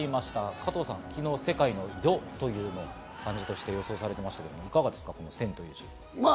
加藤さん、昨日世界の「世」という漢字を予想されていましたが、いかがですか？